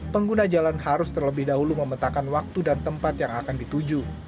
pengguna jalan harus terlebih dahulu memetakkan waktu dan tempat yang akan dituju